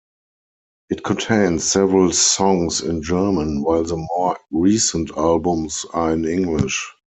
It contains several songs in German, while the more recent albums are in English.